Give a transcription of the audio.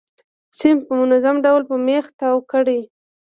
سیم په منظم ډول په میخ تاو کړئ.